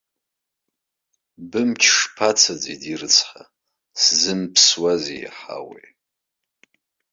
Бымч шԥацаӡеи, ди рыцҳа, сзымԥсуазеи иаҳауеи.